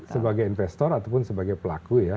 sebagai investor ataupun sebagai pelaku ya